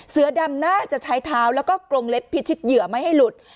เสือดำน่าจะใช้เท้าแล้วก็กรงเล็บพิชิตเหยื่อไม่ให้หลุด